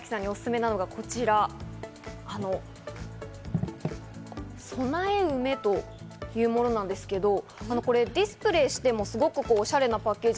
そんな新木さんにおすすめなのがこちら、備え梅というものなんですけど、ディスプレイしてもすごくおしゃれなパッケージ。